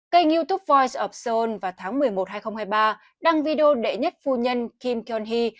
kênh youtube voice of seoul vào tháng một mươi một hai nghìn hai mươi ba đăng video đệ nhất phu nhân kim kyung hee